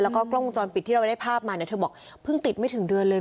แล้วก็กล้องวงจรปิดที่เราได้ภาพมาเนี่ยเธอบอกเพิ่งติดไม่ถึงเดือนเลย